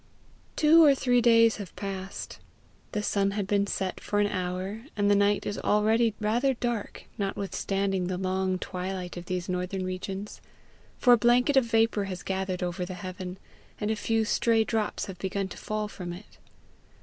Two or three days have passed. The sun had been set for an hour, and the night is already rather dark notwithstanding the long twilight of these northern regions, for a blanket of vapour has gathered over the heaven, and a few stray drops have begun to fall from it.